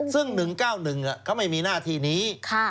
ซึ่ง๑๙๑เขาไม่มีหน้าที่นี้